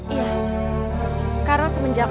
iya karena semenjak